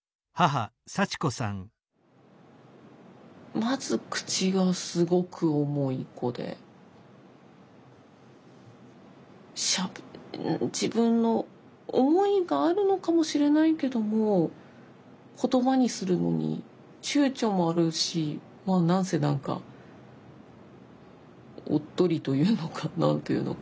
まず口がすごく重い子で自分の思いがあるのかもしれないけども言葉にするのにちゅうちょもあるし何せ何かおっとりというのか何というのか。